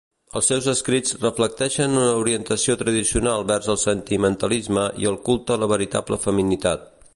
Els seus escrits reflecteixen una orientació tradicional vers el sentimentalisme i el culte a la veritable feminitat.